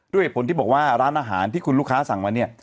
เหตุผลที่บอกว่าร้านอาหารที่คุณลูกค้าสั่งมาเนี่ย